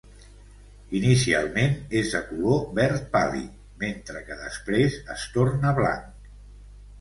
Inicialment és de color verd pàl·lid mentre que després es torna blanc.